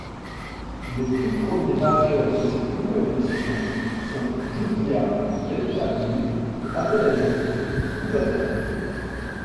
Les tout premiers vainqueurs de cette nouvelle émission sont Joudia Belkabir et Abdelaziz Bouhdada.